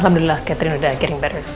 alhamdulillah catherine udah giring baru